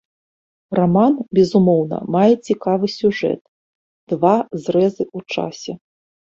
Раман безумоўна мае цікавы сюжэт, два зрэзы ў часе.